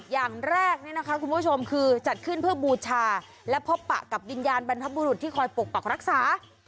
อย่างแรกนี่นะคะคุณผู้ชมคือจัดขึ้นเพื่อบูชาและพบปะกับวิญญาณบรรพบุรุษที่คอยปกปักรักษา